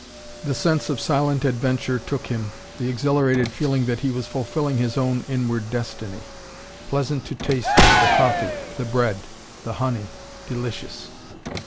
The sense of silent adventure took him, the exhilarated feeling that he was fulfilling his own inward destiny. Pleasant to taste was the coffee, the bread, the honey delicious.